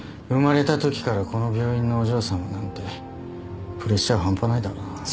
生まれたときからこの病院のお嬢さまなんてプレッシャー半端ないだろうな。